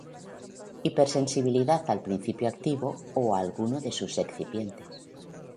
Hipersensibilidad al principio activo o a alguno de los excipientes.